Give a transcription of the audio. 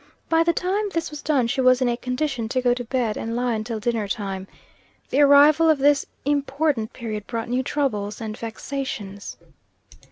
By the time this was done she was in a condition to go to bed, and lie until dinner time. The arrival of this important period brought new troubles and vexations.